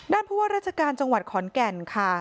ผู้ว่าราชการจังหวัดขอนแก่นค่ะ